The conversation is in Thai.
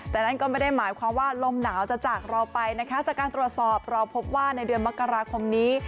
แต่นั่นก็ไม่ได้หมายความว่าลมหนาวจะจากเราไปนะคะจากการตรวจสอบเราพบว่าในเดือนมกราคมนี้